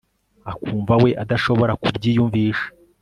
akumva we adashobora kubyiyumvisha